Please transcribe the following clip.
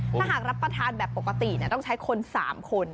ถ้าหากรับประทานแบบปกติต้องใช้คน๓คน